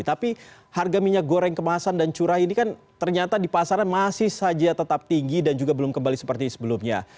tapi harga minyak goreng kemasan dan curah ini kan ternyata di pasaran masih saja tetap tinggi dan juga belum kembali seperti sebelumnya